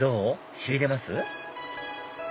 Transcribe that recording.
しびれます？